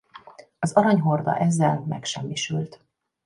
Az Arany Horda ezzel megsemmisült.